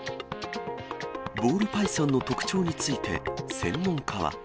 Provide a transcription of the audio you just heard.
ボールパイソンの特徴について、専門家は。